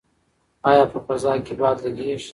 ایا په فضا کې باد لګیږي؟